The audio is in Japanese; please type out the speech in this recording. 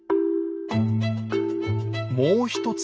もう一つ